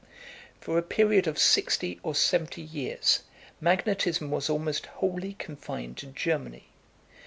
For a period of sixty or seventy years magnetism was almost wholly confined to Germany.